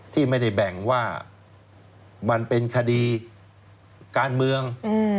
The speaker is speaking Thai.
ที่ไม่ได้แบ่งว่ามันเป็นคดีการเมือง